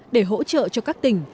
để hỗ trợ cho các tỉnh